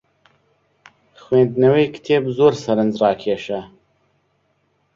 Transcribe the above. خوێندنەوەی کتێب زۆر سەرنجڕاکێشە.